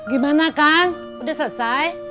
gimana kang udah selesai